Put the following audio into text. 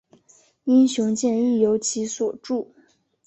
英雄剑亦由其所铸。